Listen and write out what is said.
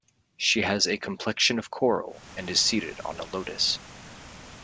She has a complexion of coral and is seated on a lotus.